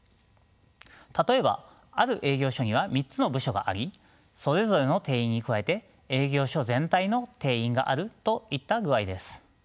例えばある営業所には３つの部署がありそれぞれの定員に加えて営業所全体の定員があるといった具合です。